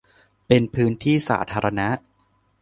เป็นพื้นที่สาธารณะ